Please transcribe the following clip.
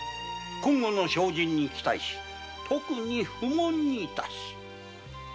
今後の精進に期待し特に不問にいたす。